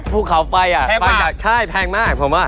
ภูเขาไฟอ่ะไฟจากชายแพงมากผมว่าแพงมาก